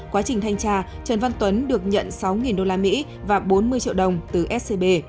quá trình thanh tra trần văn tuấn được nhận sáu usd và bốn mươi triệu đồng từ scb